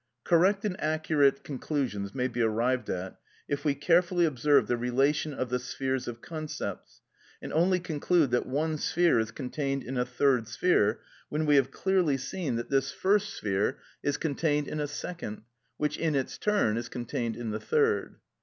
Correct and accurate conclusions may be arrived at if we carefully observe the relation of the spheres of concepts, and only conclude that one sphere is contained in a third sphere, when we have clearly seen that this first sphere is contained in a second, which in its turn is contained in the third.